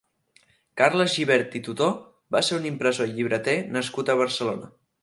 Carles Gibert i Tutó va ser un impressor i llibreter nascut a Barcelona.